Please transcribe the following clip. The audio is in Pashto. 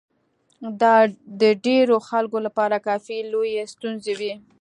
دا د ډېرو خلکو لپاره کافي لويې ستونزې وې.